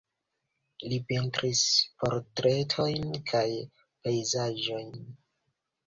Li pentris portretojn kaj pejzaĝojn.